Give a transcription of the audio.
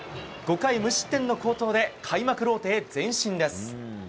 ５回無失点の好投で開幕ローテへ前進です。